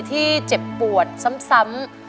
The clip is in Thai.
ที่เจ็บปวดซ้ำ